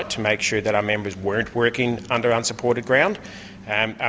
untuk memastikan pemimpin kami tidak bekerja di tempat yang tidak dikonsumsi